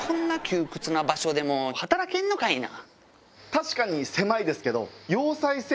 確かに狭いですけど。